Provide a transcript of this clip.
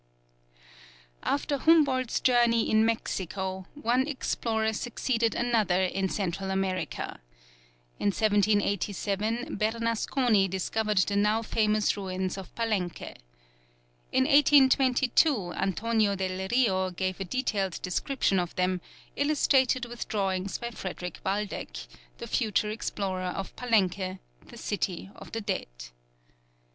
After Humboldt's journey in Mexico, one explorer succeeded another in Central America. In 1787, Bernasconi discovered the now famous ruins of Palenque. In 1822, Antonio del Rio gave a detailed description of them, illustrated with drawings by Frederick Waldeck, the future explorer of Palenque, that city of the dead.